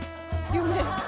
夢。